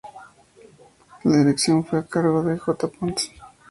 La dirección fue a cargo de J. Pons.